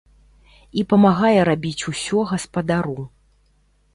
І памагае рабіць усё гаспадару.